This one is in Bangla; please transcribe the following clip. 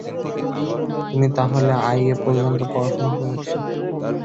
তুমি তা হলে আইএ পর্যন্ত পড়াশোনা করেছ?